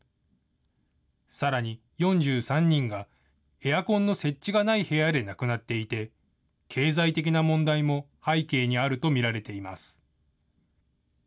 さらに、４３人がエアコンの設置がない部屋で亡くなっていて、経済的な問題も背景にあると見られています。